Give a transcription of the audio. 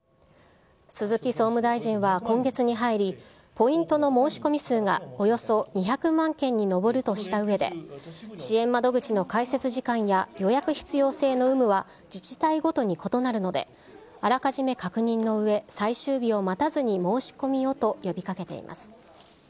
鈴木総務大臣は今月に入り、ポイントの申し込み数がおよそ２００万件に上るとしたうえで、支援窓口の開設時間や予約必要性の有無は自治体ごとに異なるので、あらかじめ確認のうえ、最終日を待たずに申し込みをと呼びかけています。